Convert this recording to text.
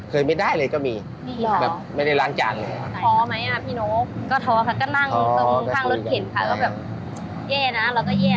เคยไม่ได้เลยก็มีแบบไม่ได้ล้างจานเลย